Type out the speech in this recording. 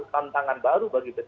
tantangan baru bagi p tiga